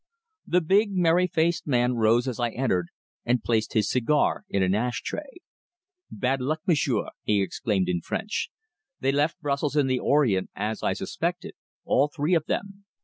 The big, merry faced man rose as I entered and placed his cigar in an ash tray. "Bad luck, m'sieur!" he exclaimed in French. "They left Brussels in the Orient, as I suspected all three of them.